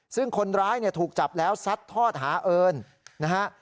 ซึ่งคนร้ายเนี่ยถูกจับแล้วซัดทอดหาเอิญนะฮะ